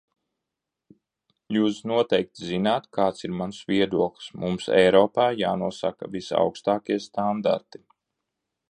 Jūs noteikti zināt, kāds ir mans viedoklis: mums Eiropā jānosaka visaugstākie standarti.